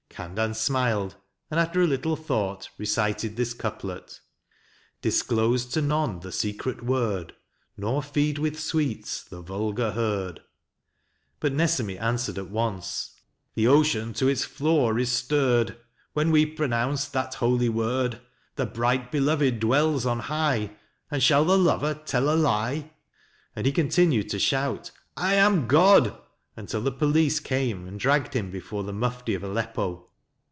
Khandan smiled, and after a little thought recited this couplet: Disclose to none the secret word, Nor feed with sweets the vulgar herd. But Nesemi answered at once: MANSUR 49 The ocean to its floor is stirred When we pronounce that holy word. The bright beloved dwells on high, And shall the lover tell a lie? and he continued to shout " I am God " until the police came and dragged him before the Mufti of Aleppo.